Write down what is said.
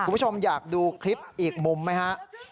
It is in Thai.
คุณผู้ชมอยากดูคลิปอีกมุมไหมฮะ